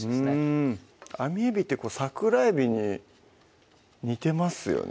うんあみえびって桜えびに似てますよね